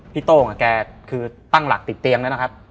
โต้งกับแกคือตั้งหลักติดเตียงแล้วนะครับ